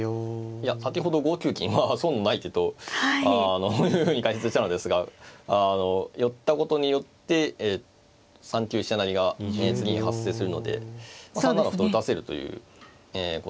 いや先ほど５九金は損のない手というふうに解説したのですが寄ったことによって３九飛車成が次に発生するので３七歩と打たせるということですかね。